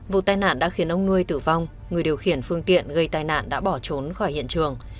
vụ tai nạn đã khiến ông nuôi tử vong người điều khiển phương tiện gây tai nạn đã bỏ trốn khỏi hiện trường